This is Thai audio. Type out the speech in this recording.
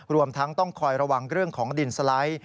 รวมทั้งต้องคอยระวังเรื่องของดินสไลด์